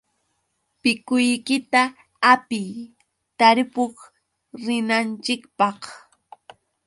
Pikuykita hapiy, tarpuq rinanchikpaq.